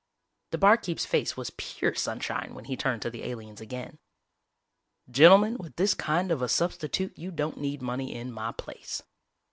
The barkeep's face was pure sunshine when he turned to the aliens again. "Gentlemen, with this kind of a substitute you don't need money in my place.